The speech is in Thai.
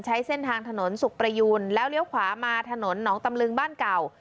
ใช้เส้นทางถนนสุขประยูนแล้วเลี้ยวขวามาถนนหนองตำลึงบ้านเก่า